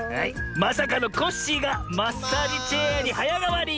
まさかのコッシーがマッサージチェアにはやがわり！